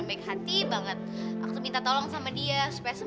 sekarang kesempatan emas nih